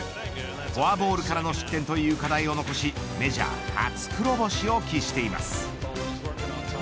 フォアボールからの失点という課題を残しメジャー初黒星を喫しています。